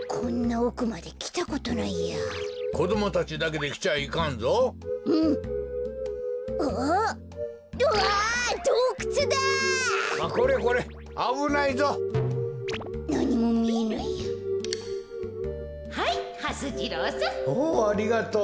おおありがとう。